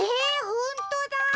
ほんとだ。